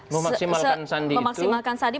memaksimalkan sandi itu